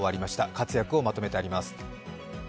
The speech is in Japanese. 活躍をまとめてあります。